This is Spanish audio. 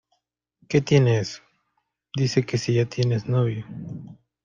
¡Qué tiene eso! dice que si ya tienes novio.